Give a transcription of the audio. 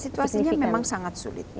situasinya memang sangat sulit